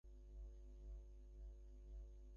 সাতরাদের বাড়ি যাবি বাবা।